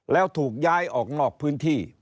แล้วถูกย้ายออกนอกพื้นที่